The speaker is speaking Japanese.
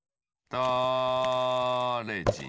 だれじん